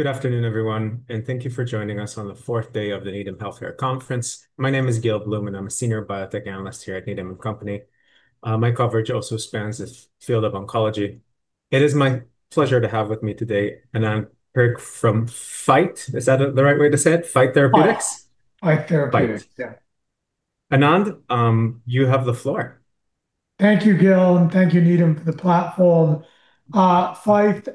Good afternoon, everyone, and thank you for joining us on the fourth day of the Needham Healthcare Conference. My name is Gil Blum, and I'm a Senior Biotech Analyst here at Needham & Company. My coverage also spans the field of oncology. It is my pleasure to have with me today Anand Parikh from Faeth. Is that the right way to say it? Faeth Therapeutics? Faeth Therapeutics, yeah. Anand, you have the floor. Thank you, Gil, and thank you, Needham, for the platform. Faeth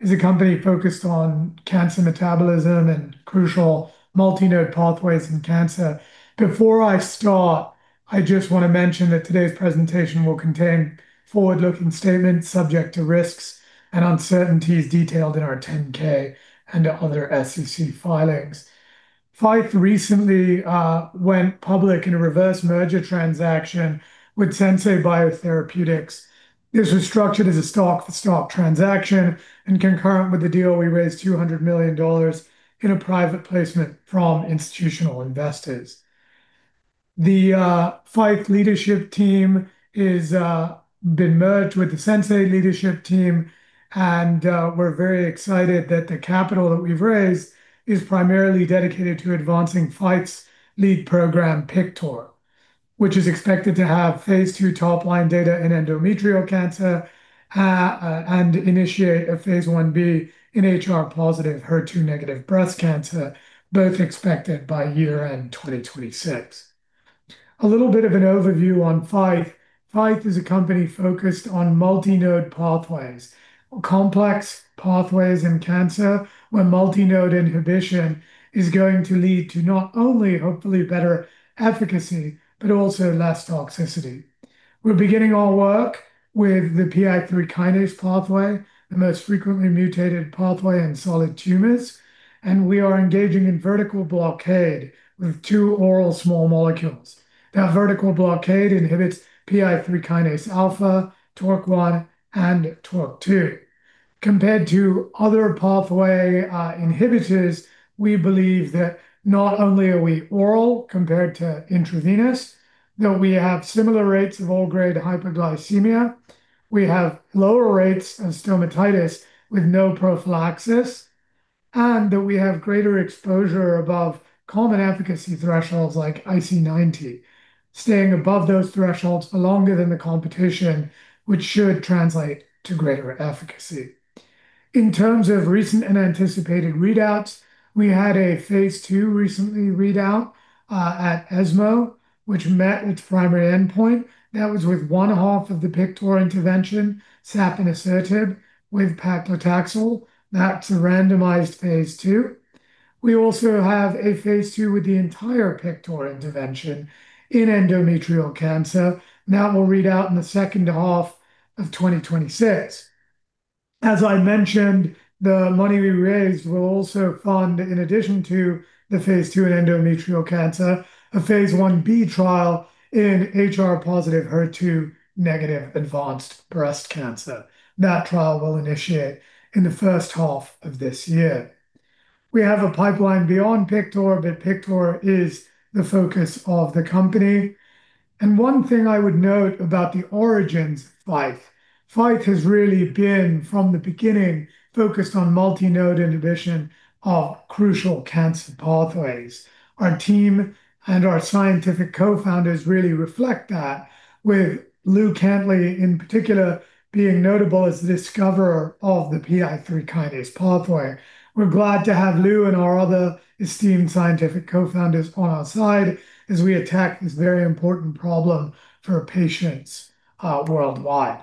is a company focused on cancer metabolism and crucial multi-node pathways in cancer. Before I start, I just want to mention that today's presentation will contain forward-looking statements subject to risks and uncertainties detailed in our 10-K and other SEC filings. Faeth recently went public in a reverse merger transaction with Sensei Biotherapeutics. This was structured as a stock-for-stock transaction, and concurrent with the deal, we raised $200 million in a private placement from institutional investors. The Faeth leadership team has been merged with the Sensei leadership team, and we're very excited that the capital that we've raised is primarily dedicated to advancing Faeth's lead program, PIKTOR, which is expected to have phase II topline data in endometrial cancer, and initiate a phase Ib in HR-positive, HER2-negative breast cancer, both expected by year-end 2026. A little bit of an overview on Faeth. Faeth is a company focused on multi-node pathways, complex pathways in cancer, where multi-node inhibition is going to lead to not only hopefully better efficacy, but also less toxicity. We're beginning our work with the PI3K pathway, the most frequently mutated pathway in solid tumors, and we are engaging in vertical blockade with two oral small molecules. That vertical blockade inhibits PI3K alpha, TORC1, and TORC2. Compared to other pathway inhibitors, we believe that not only are we oral compared to intravenous, that we have similar rates of all grade hypoglycemia, we have lower rates of stomatitis with no prophylaxis, and that we have greater exposure above common efficacy thresholds like IC90, staying above those thresholds for longer than the competition, which should translate to greater efficacy. In terms of recent and anticipated readouts, we had a phase II recently read out at ESMO, which met its primary endpoint. That was with one half of the PIKTOR intervention, sapanisertib with paclitaxel. That's a randomized phase II. We also have a phase II with the entire PIKTOR intervention in endometrial cancer. That will read out in the second half of 2026. As I mentioned, the money we raised will also fund, in addition to the phase II in endometrial cancer, a phase Ib trial in HR-positive, HER2-negative advanced breast cancer. That trial will initiate in the first half of this year. We have a pipeline beyond PIKTOR, but PIKTOR is the focus of the company. One thing I would note about the origins of Faeth has really been, from the beginning, focused on multi-node inhibition of crucial cancer pathways. Our team and our scientific co-founders really reflect that with Lewis C. Cantley, in particular, being notable as the discoverer of the PI3K pathway. We're glad to have Lewis and our other esteemed scientific co-founders on our side as we attack this very important problem for patients worldwide.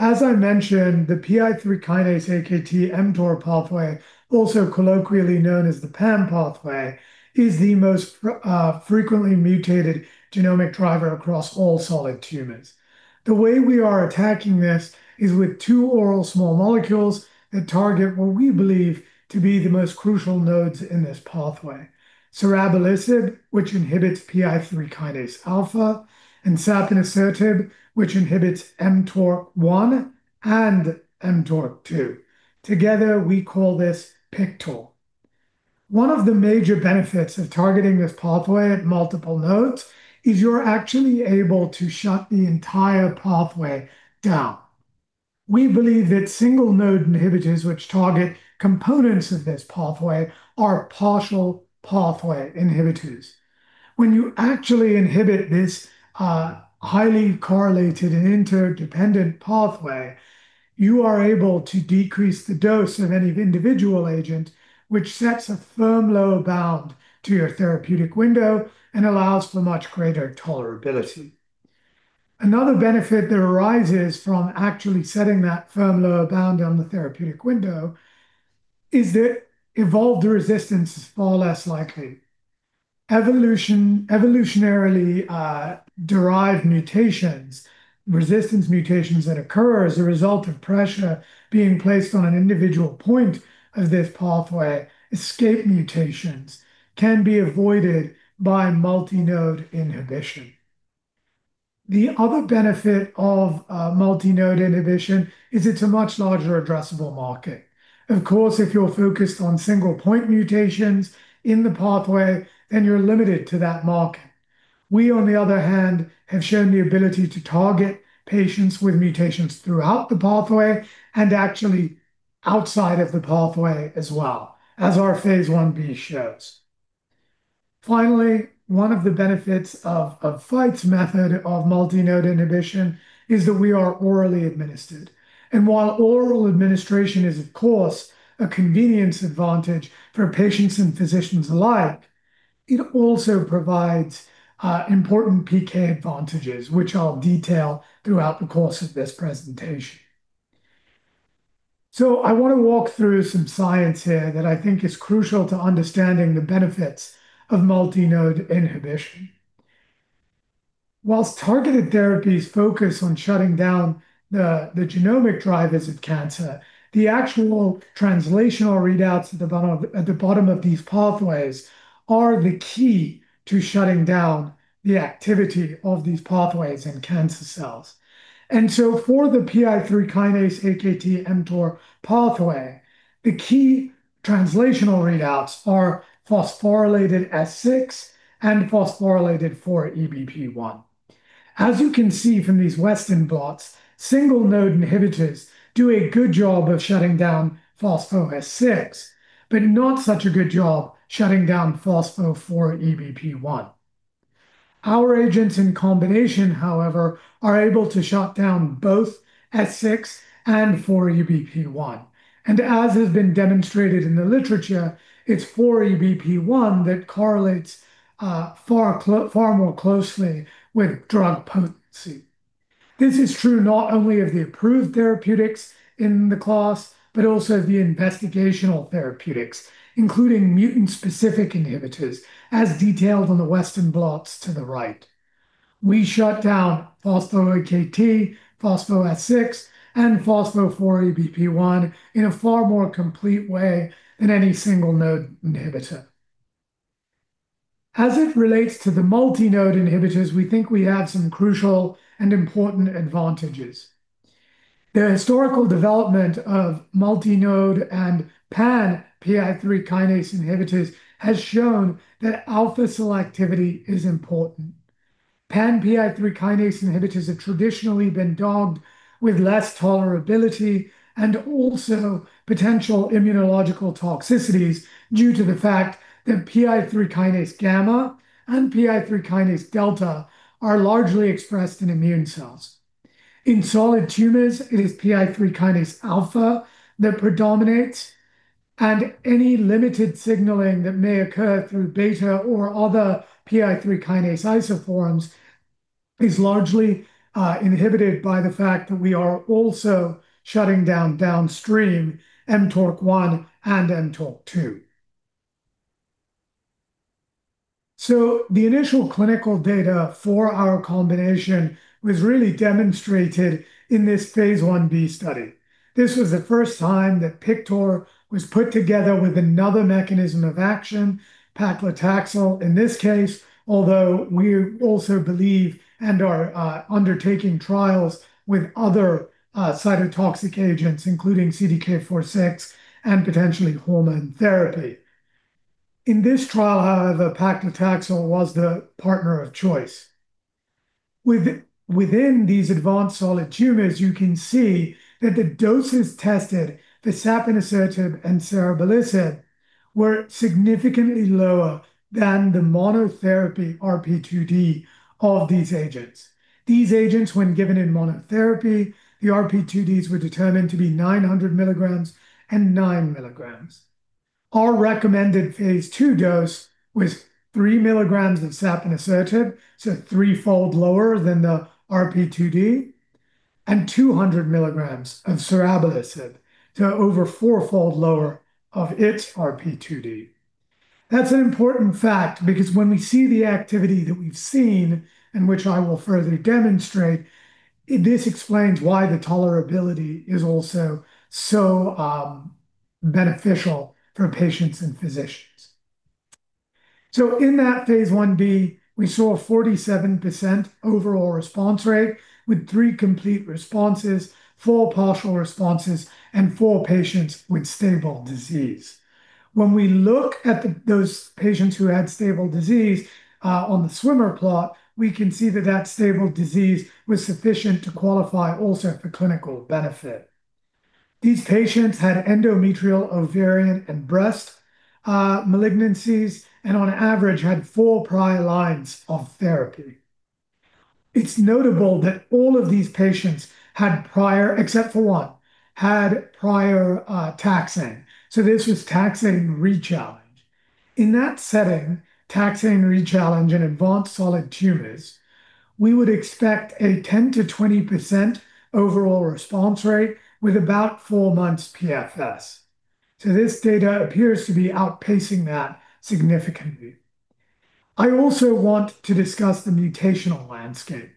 As I mentioned, the PI3K/AKT/mTOR pathway, also colloquially known as the PAM pathway, is the most frequently mutated genomic driver across all solid tumors. The way we are attacking this is with two oral small molecules that target what we believe to be the most crucial nodes in this pathway. Serabelisib, which inhibits PI3K-alpha, and sapanisertib, which inhibits mTORC1 and mTORC2. Together, we call this PIKTOR. One of the major benefits of targeting this pathway at multiple nodes is you're actually able to shut the entire pathway down. We believe that single node inhibitors which target components of this pathway are partial pathway inhibitors. When you actually inhibit this highly correlated and interdependent pathway, you are able to decrease the dose of any individual agent, which sets a firm lower bound to your therapeutic window and allows for much greater tolerability. Another benefit that arises from actually setting that firm lower bound on the therapeutic window is that evolved resistance is far less likely. Evolutionarily-derived mutations, resistance mutations that occur as a result of pressure being placed on an individual point of this pathway, escape mutations, can be avoided by multi-node inhibition. The other benefit of multi-node inhibition is it's a much larger addressable market. Of course, if you're focused on single point mutations in the pathway, then you're limited to that market. We, on the other hand, have shown the ability to target patients with mutations throughout the pathway and actually outside of the pathway as well, as our phase Ib shows. Finally, one of the benefits of Faeth's method of multi-node inhibition is that we are orally administered. While oral administration is, of course, a convenience advantage for patients and physicians alike, it also provides important PK advantages, which I'll detail throughout the course of this presentation. I want to walk through some science here that I think is crucial to understanding the benefits of multi-node inhibition. While targeted therapies focus on shutting down the genomic drivers of cancer, the actual translational readouts at the bottom of these pathways are the key to shutting down the activity of these pathways in cancer cells. For the PI3K/AKT/mTOR pathway, the key translational readouts are phosphorylated S6 and phosphorylated 4E-BP1. As you can see from these western blots, single-node inhibitors do a good job of shutting down phospho-S6, but not such a good job shutting down phospho-4E-BP1. Our agents in combination, however, are able to shut down both S6 and 4E-BP1. As has been demonstrated in the literature, it's 4E-BP1 that correlates far more closely with drug potency. This is true not only of the approved therapeutics in the class, but also the investigational therapeutics, including mutant-specific inhibitors, as detailed on the western blots to the right. We shut down phospho-AKT, phospho-S6, and phospho-4E-BP1 in a far more complete way than any single node inhibitor. As it relates to the multi-node inhibitors, we think we have some crucial and important advantages. The historical development of multi-node and pan PI3K inhibitors has shown that alpha selectivity is important. Pan PI3K inhibitors have traditionally been dogged with less tolerability and also potential immunological toxicities due to the fact that PI3K gamma and PI3K delta are largely expressed in immune cells. In solid tumors, it is PI3K alpha that predominates, and any limited signaling that may occur through beta or other PI3K isoforms is largely inhibited by the fact that we are also shutting down downstream mTORC1 and mTORC2. The initial clinical data for our combination was really demonstrated in this phase Ib study. This was the first time that PIKTOR was put together with another mechanism of action, paclitaxel. In this case, although we also believe and are undertaking trials with other cytotoxic agents, including CDK4/6 and potentially hormone therapy, in this trial, however, paclitaxel was the partner of choice. Within these advanced solid tumors, you can see that the doses tested for sapanisertib and serabelisib were significantly lower than the monotherapy RP2D of these agents. These agents, when given in monotherapy, the RP2Ds were determined to be 900 mg and 9 mg. Our recommended phase II dose was 3 mg of sapanisertib, so threefold lower than the RP2D, and 200 mg of serabelisib, so over fourfold lower of its RP2D. That's an important fact because when we see the activity that we've seen, and which I will further demonstrate, this explains why the tolerability is also so beneficial for patients and physicians. In that phase Ib, we saw a 47% overall response rate with three complete responses, four partial responses, and four patients with stable disease. When we look at those patients who had stable disease on the swimmer plot, we can see that that stable disease was sufficient to qualify also for clinical benefit. These patients had endometrial, ovarian, and breast malignancies, and on average, had four prior lines of therapy. It's notable that all of these patients, except for one, had prior taxane. This was taxane rechallenge. In that setting, taxane rechallenge in advanced solid tumors, we would expect a 10%-20% overall response rate with about four months PFS. This data appears to be outpacing that significantly. I also want to discuss the mutational landscape.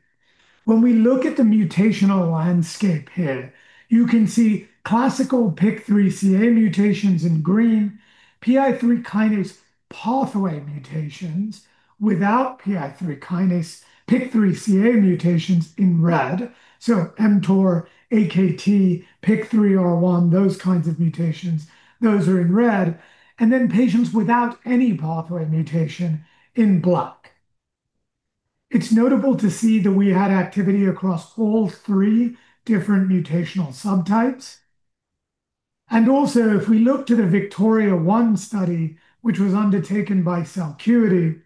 When we look at the mutational landscape here, you can see classical PIK3CA mutations in green, PI3K pathway mutations without PI3K PIK3CA mutations in red. mTOR, AKT, PIK3R1, those kinds of mutations, those are in red. Patients without any pathway mutation in black. It's notable to see that we had activity across all three different mutational subtypes. Also, if we look to the VIKTORIA-1 study, which was undertaken by Celcuity,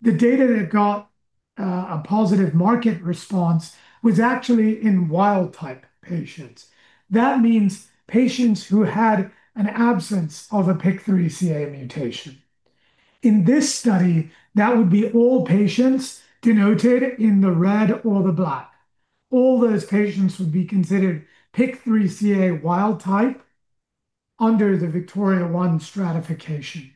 the data that got a positive market response was actually in wild-type patients. That means patients who had an absence of a PIK3CA mutation. In this study, that would be all patients denoted in the red or the black. All those patients would be considered PIK3CA wild-type under the VIKTORIA-1 stratification.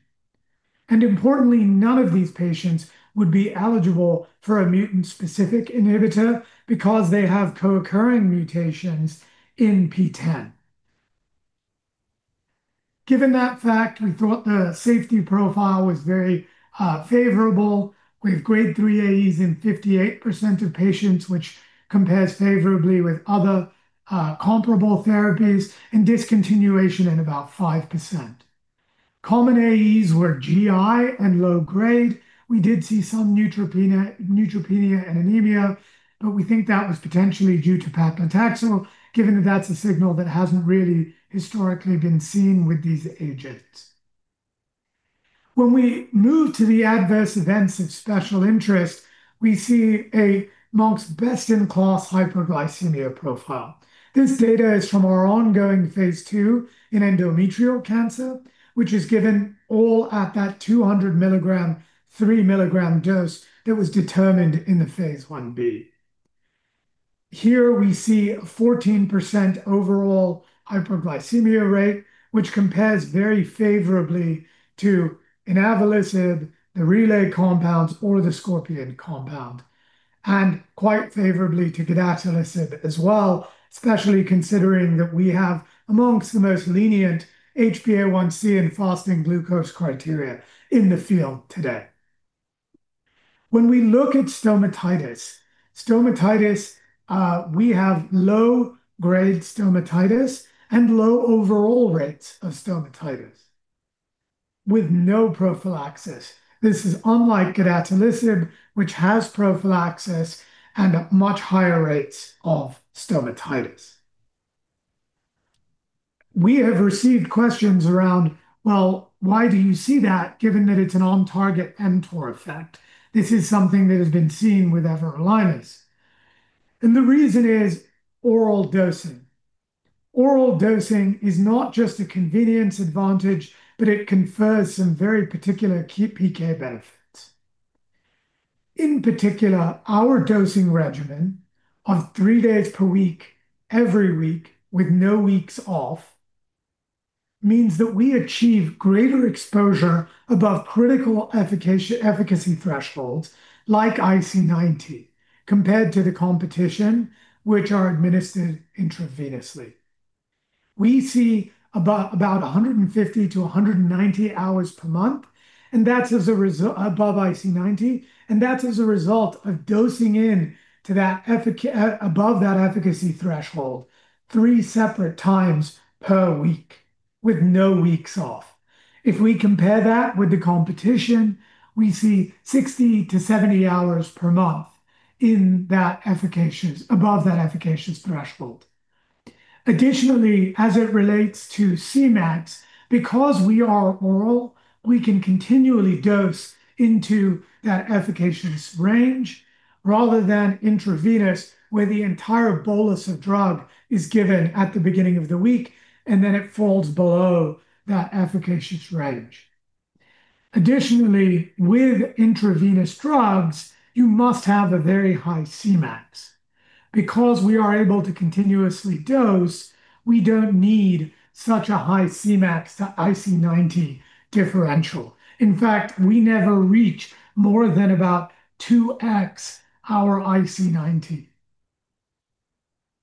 Importantly, none of these patients would be eligible for a mutant-specific inhibitor because they have co-occurring mutations in PTEN. Given that fact, we thought the safety profile was very favorable with grade 3 AEs in 58% of patients, which compares favorably with other comparable therapies, and discontinuation in about 5%. Common AEs were GI and low-grade. We did see some neutropenia and anemia, but we think that was potentially due to paclitaxel, given that that's a signal that hasn't really historically been seen with these agents. When we move to the adverse events of special interest, we see among best-in-class hyperglycemia profile. This data is from our ongoing phase II in endometrial cancer, which is given all at that 200 mg, 300 mg dose that was determined in the phase Ib. Here, we see a 14% overall hyperglycemia rate, which compares very favorably to inavolisib, the Relay compounds, or the Scorpion compound, and quite favorably to gedatolisib as well, especially considering that we have among the most lenient HbA1c and fasting glucose criteria in the field today. When we look at stomatitis, we have low-grade stomatitis and low overall rates of stomatitis with no prophylaxis. This is unlike gedatolisib, which has prophylaxis and much higher rates of stomatitis. We have received questions around, "Well, why do you see that, given that it's an on-target mTOR effect?" This is something that has been seen with everolimus, and the reason is oral dosing. Oral dosing is not just a convenience advantage, but it confers some very particular PK benefits. In particular, our dosing regimen of three days per week, every week, with no weeks off, means that we achieve greater exposure above critical efficacy thresholds like IC90, compared to the competition, which are administered intravenously. We see about 150-190 hours per month, and that's above IC90. That's as a result of dosing in above that efficacy threshold three separate times per week, with no weeks off. If we compare that with the competition, we see 60-70 hours per month above that efficacious threshold. Additionally, as it relates to Cmax, because we are oral, we can continually dose into that efficacious range rather than intravenous, where the entire bolus of drug is given at the beginning of the week, and then it falls below that efficacious range. Additionally, with intravenous drugs, you must have a very high Cmax. Because we are able to continuously dose, we don't need such a high Cmax to IC90 differential. In fact, we never reach more than about 2X our IC90.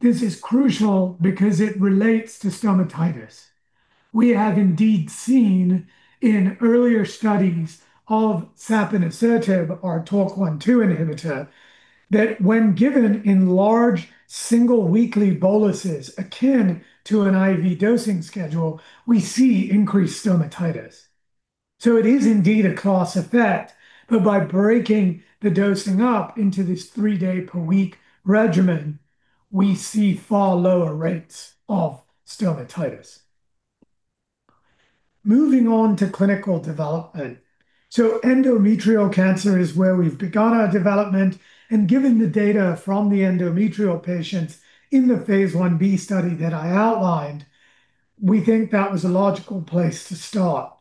This is crucial because it relates to stomatitis. We have indeed seen in earlier studies of sapanisertib, our TORC1/2 inhibitor, that when given in large single weekly boluses akin to an IV dosing schedule, we see increased stomatitis. It is indeed a class effect, but by breaking the dosing up into this three-day-per-week regimen, we see far lower rates of stomatitis. Moving on to clinical development. Endometrial cancer is where we've begun our development, and given the data from the endometrial patients in the phase Ib study that I outlined, we think that was a logical place to start.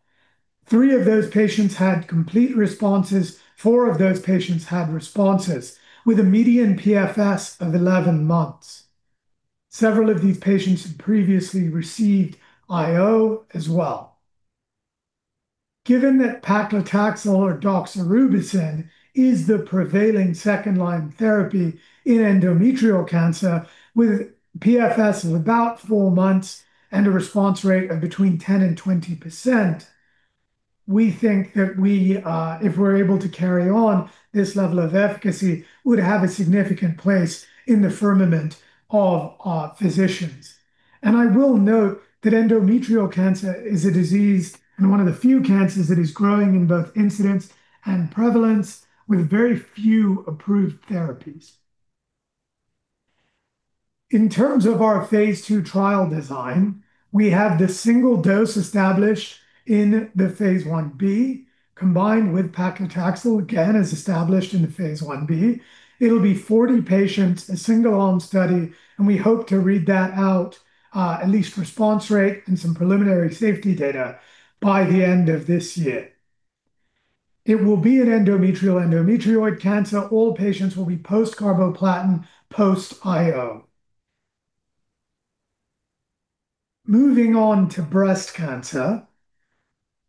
Three of those patients had complete responses. Four of those patients had responses with a median PFS of 11 months. Several of these patients had previously received IO as well. Given that paclitaxel or doxorubicin is the prevailing second-line therapy in endometrial cancer with PFS of about 4 months and a response rate of between 10% and 20%, we think that if we're able to carry on this level of efficacy, it would have a significant place in the armamentarium of our physicians. I will note that endometrial cancer is a disease and one of the few cancers that is growing in both incidence and prevalence with very few approved therapies. In terms of our phase II trial design, we have the single dose established in the phase Ib combined with paclitaxel, again, as established in the phase Ib. It'll be 40 patients, a single arm study, and we hope to read that out, at least response rate and some preliminary safety data, by the end of this year. It will be an endometrial/endometrioid cancer. All patients will be post-carboplatin, post-IO. Moving on to breast cancer.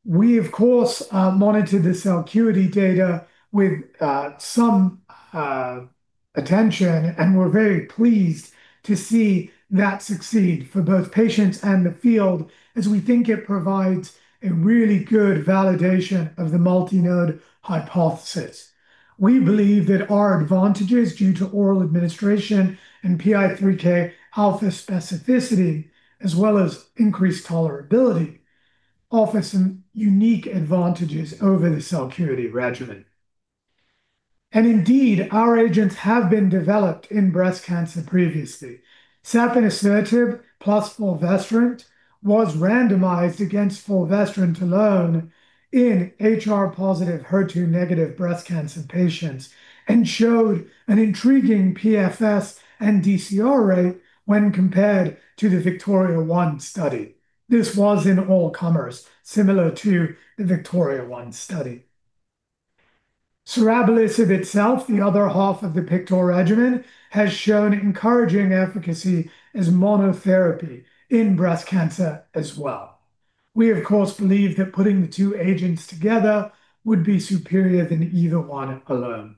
We, of course, monitored the Celcuity data with some attention, and we're very pleased to see that succeed for both patients and the field as we think it provides a really good validation of the multi-node hypothesis. We believe that our advantages due to oral administration and PI3K-alpha specificity, as well as increased tolerability, offer some unique advantages over the Celcuity regimen. Indeed, our agents have been developed in breast cancer previously. Sapanisertib plus fulvestrant was randomized against fulvestrant alone in HR-positive, HER2-negative breast cancer patients and showed an intriguing PFS and DCR rate when compared to the VIKTORIA-1 study. This was in all comers, similar to the VIKTORIA-1 study. Serabelisib itself, the other half of the PIKTOR regimen, has shown encouraging efficacy as monotherapy in breast cancer as well. We, of course, believe that putting the two agents together would be superior than either one alone.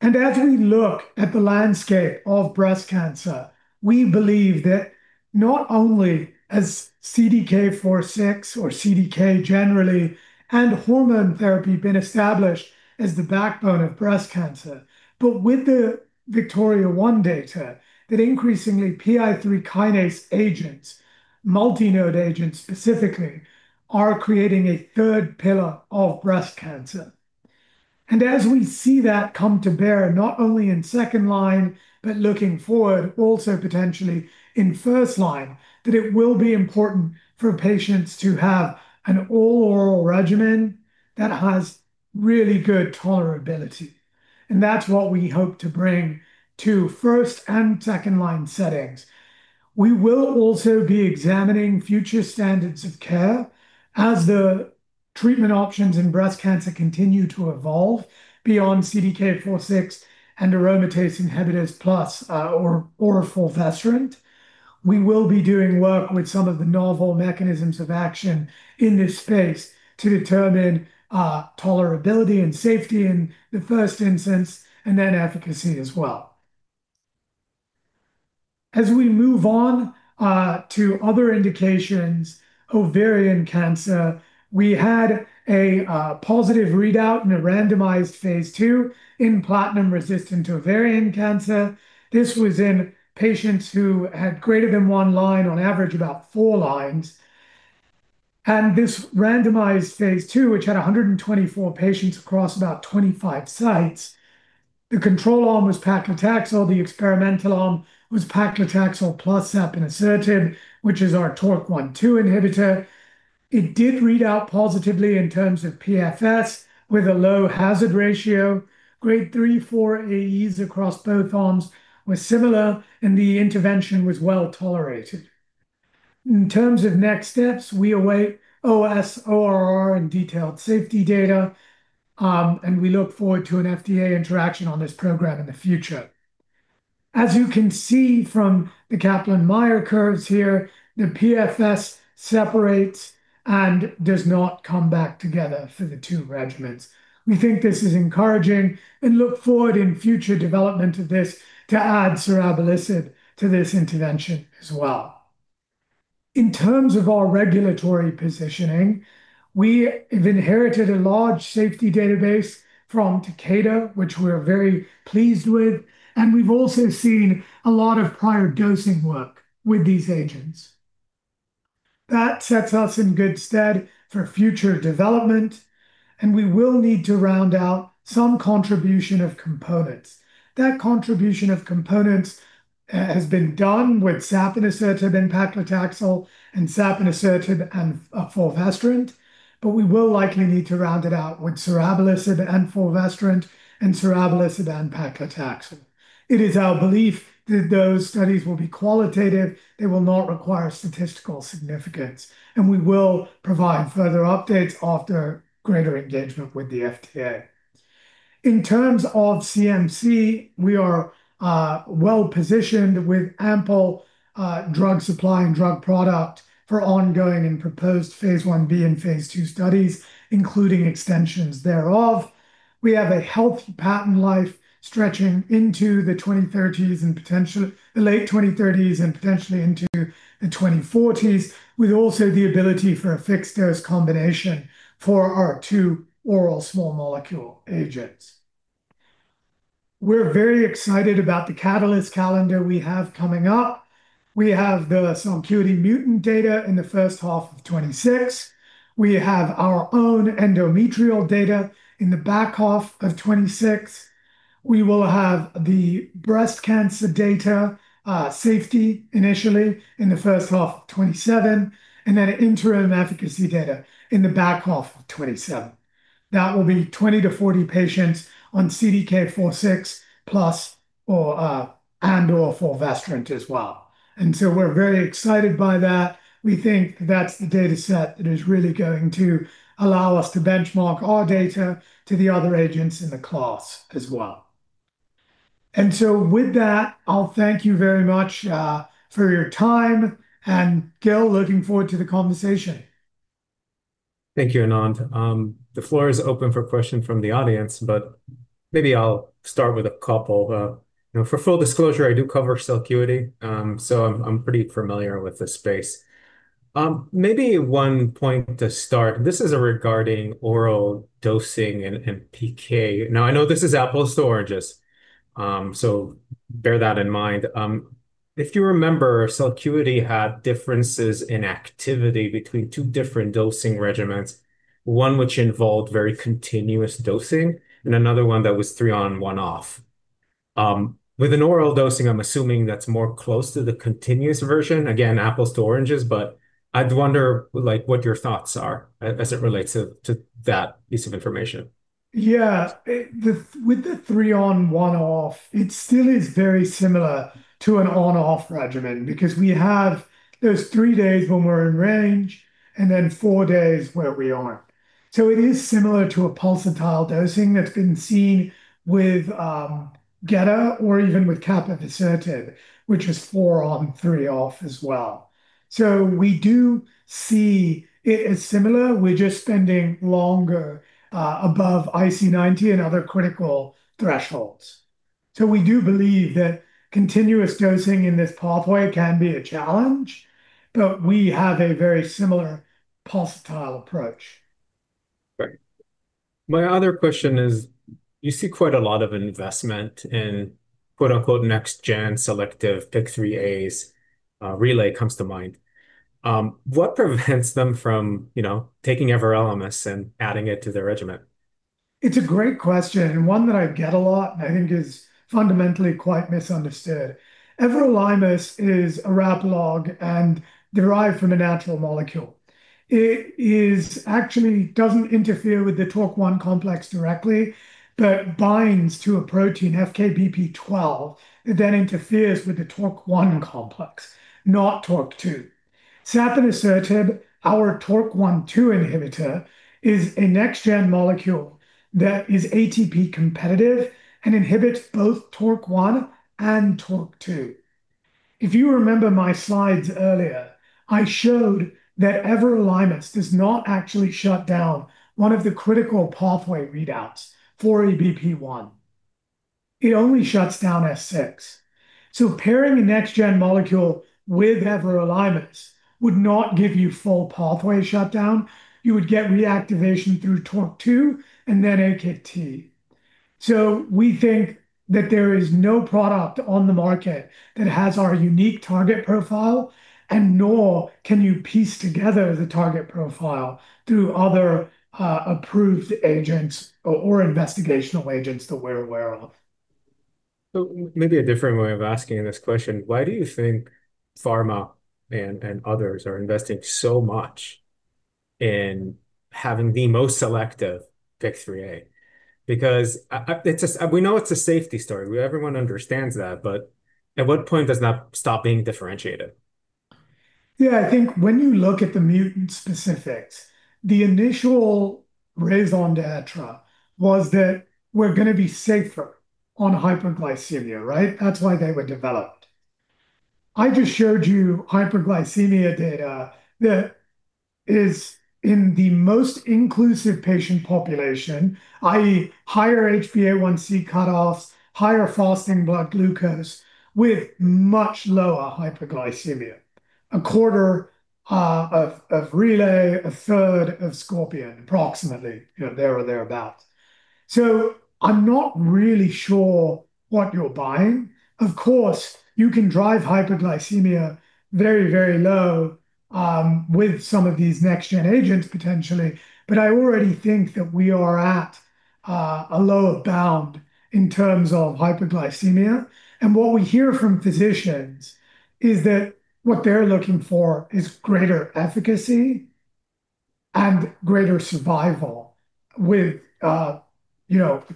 As we look at the landscape of breast cancer, we believe that not only has CDK4/6 or CDK generally and hormone therapy been established as the backbone of breast cancer, but with the VIKTORIA-1 data, that increasingly PI3K kinase agents, multi-node agents specifically, are creating a third pillar of breast cancer. As we see that come to bear, not only in second-line, but looking forward also potentially in first-line, that it will be important for patients to have an all-oral regimen that has really good tolerability. That's what we hope to bring to first and second-line settings. We will also be examining future standards of care as the treatment options in breast cancer continue to evolve beyond CDK4/6 and aromatase inhibitors plus oral fulvestrant. We will be doing work with some of the novel mechanisms of action in this space to determine tolerability and safety in the first instance, and then efficacy as well. As we move on to other indications, ovarian cancer, we had a positive readout in a randomized phase II in platinum-resistant ovarian cancer. This was in patients who had greater than one line, on average about four lines. This randomized phase II, which had 124 patients across about 25 sites, the control arm was paclitaxel. The experimental arm was paclitaxel plus sapanisertib, which is our TORC1/2 inhibitor. It did read out positively in terms of PFS with a low hazard ratio. Grade 3/4 AEs across both arms were similar, and the intervention was well-tolerated. In terms of next steps, we await OS, ORR, and detailed safety data, and we look forward to an FDA interaction on this program in the future. As you can see from the Kaplan-Meier curves here, the PFS separates and does not come back together for the two regimens. We think this is encouraging and look forward in future development of this to add serabelisib to this intervention as well. In terms of our regulatory positioning, we have inherited a large safety database from Takeda, which we're very pleased with, and we've also seen a lot of prior dosing work with these agents. That sets us in good stead for future development, and we will need to round out some contribution of components. That contribution of components has been done with sapanisertib and paclitaxel and sapanisertib and fulvestrant, but we will likely need to round it out with serabelisib and fulvestrant and serabelisib and paclitaxel. It is our belief that those studies will be qualitative. They will not require statistical significance, and we will provide further updates after greater engagement with the FDA. In terms of CMC, we are well-positioned with ample drug supply and drug product for ongoing and proposed phase Ib and phase II studies, including extensions thereof. We have a healthy patent life stretching into the late 2030s and potentially into the 2040s, with also the ability for a fixed-dose combination for our two oral small molecule agents. We are very excited about the catalyst calendar we have coming up. We have the Celcuity mutant data in the first half of 2026. We have our own endometrial data in the back half of 2026. We will have the breast cancer data, safety initially, in the first half of 2027, and then interim efficacy data in the back half of 2027. That will be 20-40 patients on CDK4/6 plus or, and/or fulvestrant as well. We're very excited by that. We think that's the data set that is really going to allow us to benchmark our data to the other agents in the class as well. With that, I'll thank you very much for your time, and Gil, looking forward to the conversation. Thank you, Anand. The floor is open for questions from the audience, but maybe I'll start with a couple. For full disclosure, I do cover Celcuity, so I'm pretty familiar with the space. Maybe one point to start, this is regarding oral dosing and PK. Now, I know this is apples to oranges, so bear that in mind. If you remember, Celcuity had differences in activity between two different dosing regimens. One which involved very continuous dosing, and another one that was three on, one off. With an oral dosing, I'm assuming that's more close to the continuous version. Again, apples to oranges, but I'd wonder what your thoughts are as it relates to that piece of information. Yeah. With the 3 on, 1 off, it still is very similar to an on/off regimen because we have those 3 days when we're in range and then 4 days where we aren't. It is similar to a pulsatile dosing that's been seen with gedatolisib or even with Capivasertib, which was 4 on, 3 off as well. We do see it as similar. We're just spending longer above IC90 and other critical thresholds. We do believe that continuous dosing in this pathway can be a challenge, but we have a very similar pulsatile approach. Right. My other question is, you see quite a lot of investment in, quote-unquote, "next-gen selective PI3KAs," Relay comes to mind. What prevents them from taking everolimus and adding it to their regimen? It's a great question and one that I get a lot, and I think is fundamentally quite misunderstood. Everolimus is a rapalog and derived from a natural molecule. It actually doesn't interfere with the TORC1 complex directly, but binds to a protein, FKBP12, that interferes with the TORC1 complex, not TORC2. Sapanisertib, our TORC1/2 inhibitor, is a next-gen molecule that is ATP-competitive and inhibits both TORC1 and TORC2. If you remember my slides earlier, I showed that everolimus does not actually shut down one of the critical pathway readouts for 4E-BP1. It only shuts down S6. Pairing a next-gen molecule with everolimus would not give you full pathway shutdown. You would get reactivation through TORC2 and then AKT. We think that there is no product on the market that has our unique target profile, and nor can you piece together the target profile through other approved agents or investigational agents that we're aware of. Maybe a different way of asking this question, why do you think pharma and others are investing so much in having the most selective PIK3CA? Because we know it's a safety story. Everyone understands that, but at what point does that stop being differentiated? Yeah. I think when you look at the mutant specifics, the initial raison d'être was that we're going to be safer on hyperglycemia. That's why they were developed. I just showed you hyperglycemia data that is in the most inclusive patient population, i.e., higher HbA1c cutoffs, higher fasting blood glucose with much lower hyperglycemia. A quarter of Relay, a third of Scorpion, approximately, there or thereabout. I'm not really sure what you're buying. Of course, you can drive hyperglycemia very, very low with some of these next-gen agents potentially. I already think that we are at a lower bound in terms of hyperglycemia. What we hear from physicians is that what they're looking for is greater efficacy and greater survival with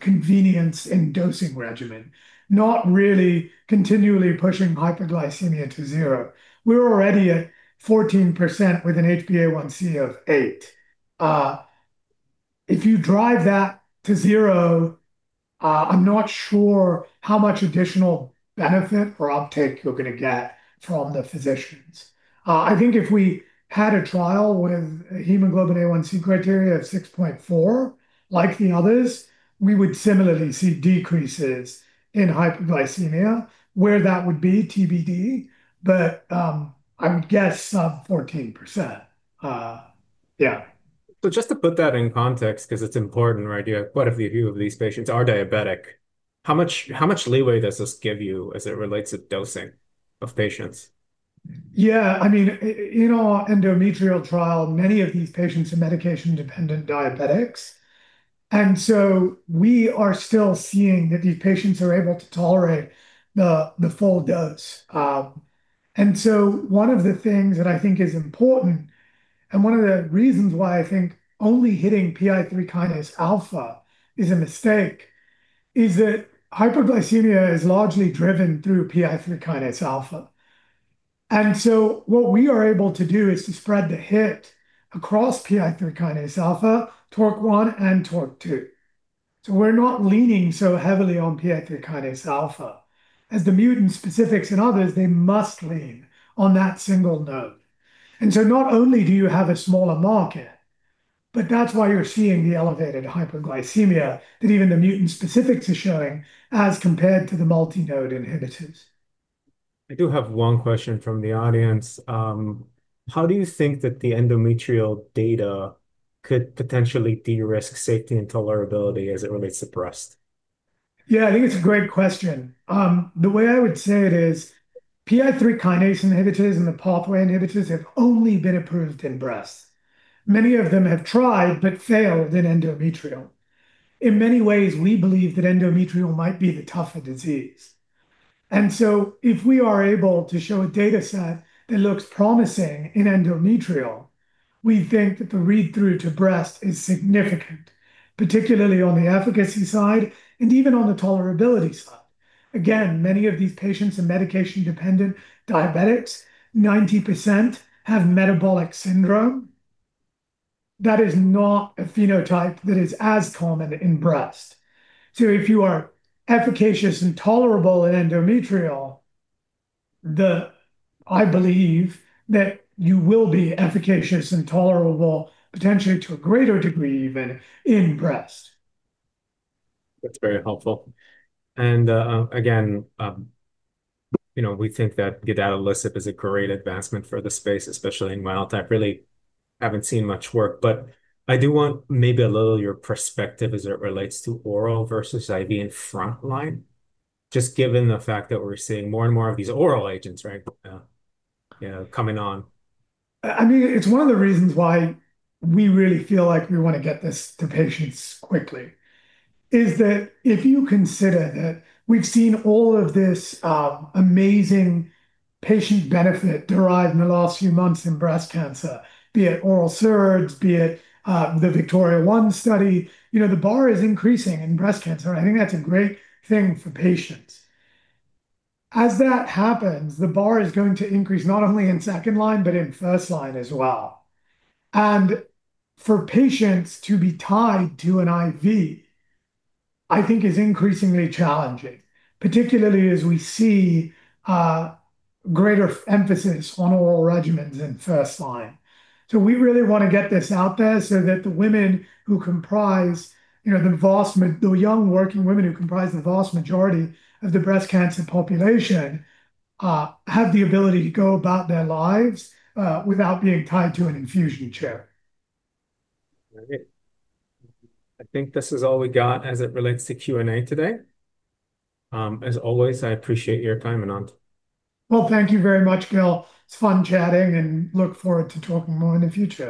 convenience in dosing regimen, not really continually pushing hyperglycemia to zero. We're already at 14% with an HbA1c of 8. If you drive that to zero, I'm not sure how much additional benefit or uptake you're going to get from the physicians. I think if we had a trial with hemoglobin A1c criteria of 6.4, like the others, we would similarly see decreases in hyperglycemia, where that would be TBD, but I would guess sub 14%. Yeah. Just to put that in context, because it's important, right? You have quite a few of these patients are diabetic. How much leeway does this give you as it relates to dosing of patients? Yeah. In our endometrial trial, many of these patients are medication-dependent diabetics. We are still seeing that these patients are able to tolerate the full dose. One of the things that I think is important, and one of the reasons why I think only hitting PI3K-alpha is a mistake, is that hyperglycemia is largely driven through PI3K-alpha. What we are able to do is to spread the hit across PI3K-alpha, TORC1, and TORC2. We're not leaning so heavily on PI3K-alpha. As the mutant-specifics in others, they must lean on that single node. Not only do you have a smaller market, but that's why you're seeing the elevated hyperglycemia that even the mutant-specifics are showing as compared to the multi-node inhibitors. I do have one question from the audience. How do you think that the endometrial data could potentially de-risk safety and tolerability as it relates to breast? Yeah, I think it's a great question. The way I would say it is PI3K inhibitors and the pathway inhibitors have only been approved in breast. Many of them have tried but failed in endometrial. In many ways, we believe that endometrial might be the tougher disease. If we are able to show a data set that looks promising in endometrial, we think that the read-through to breast is significant, particularly on the efficacy side and even on the tolerability side. Again, many of these patients are medication-dependent diabetics. 90% have metabolic syndrome. That is not a phenotype that is as common in breast. If you are efficacious and tolerable in endometrial, I believe that you will be efficacious and tolerable potentially to a greater degree even in breast. That's very helpful. Again, we think that gedatolisib is a great advancement for the space, especially in wild-type. Really, we haven't seen much work. I do want maybe a little of your perspective as it relates to oral versus IV in frontline, just given the fact that we're seeing more and more of these oral agents, right? Coming on. It's one of the reasons why we really feel like we want to get this to patients quickly, is that if you consider that we've seen all of this amazing patient benefit derived in the last few months in breast cancer, be it oral SERDs, be it the VIKTORIA-1 study. The bar is increasing in breast cancer. I think that's a great thing for patients. As that happens, the bar is going to increase not only in second line, but in first line as well. For patients to be tied to an IV, I think is increasingly challenging, particularly as we see greater emphasis on oral regimens in first line. We really want to get this out there so that the young working women who comprise the vast majority of the breast cancer population have the ability to go about their lives, without being tied to an infusion chair. Great. I think this is all we got as it relates to Q&A today. As always, I appreciate your time, Anand. Well, thank you very much, Gil. It's fun chatting and I look forward to talking more in the future.